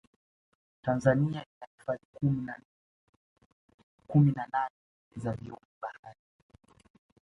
tanzania ina hifadhi kumi na nane za viumbe bahari